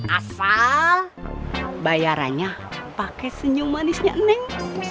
asal bayarannya pakai senyum manisnya neng